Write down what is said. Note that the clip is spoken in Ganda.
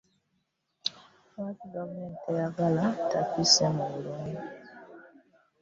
Lwaki gavumenti teyagala takisi mu kibuga?